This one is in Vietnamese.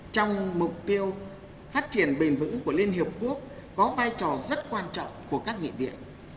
trong mục tiêu phát triển bền vững của liên hiệp quốc có vai trò rất quan trọng của các nghị viện